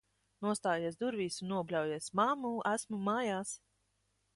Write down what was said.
Nostājies durvīs un nobļaujies: "Mammu, esmu mājās!"